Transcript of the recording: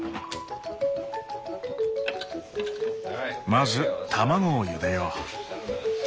まず卵をゆでよう。